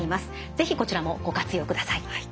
是非こちらもご活用ください。